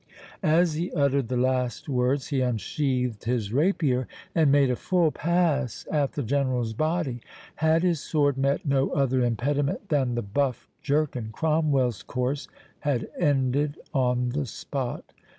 As he uttered the last words he unsheathed his rapier, and made a full pass at the General's body. Had his sword met no other impediment than the buff jerkin, Cromwell's course had ended on the spot.